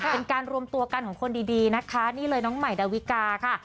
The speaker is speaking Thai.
เป็นการรวมตัวกันของคนดีนะคะนี่เลยน้องใหม่ดาวิกาค่ะ